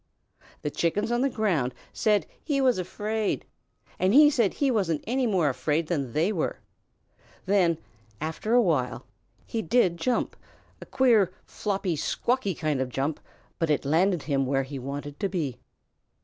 The Chickens on the ground said he was afraid, and he said he wasn't any more afraid than they were. Then, after a while, he did jump, a queer, floppy, squawky kind of jump, but it landed him where he wanted to be.